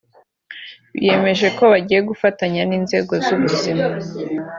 Biyemeje ko bagiye gufatanya n’inzego z’ubuzima